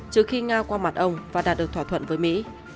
trừ khi nga qua mặt ông và đạt được thỏa thuận với mỹ